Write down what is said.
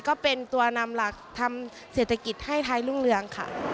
ก็เป็นตัวนำหลักทำเศรษฐกิจให้ไทยรุ่งเรืองค่ะ